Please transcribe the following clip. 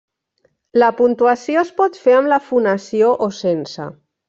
La puntuació es pot fer amb la fonació o sense.